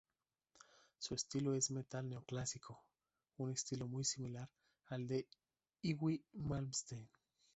Su estilo es metal neoclásico, un estilo muy similar al de Yngwie Malmsteen.